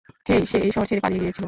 হেই, সে এই শহর ছেড়ে পালিয়ে গেছিলো।